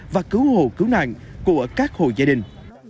và cứu hộ cứu nạn của các hồ gia đình